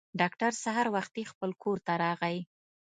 ډاکټر سهار وختي خپل کور ته راغی.